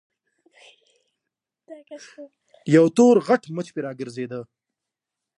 يو تور غټ مچ پرې راګرځېد.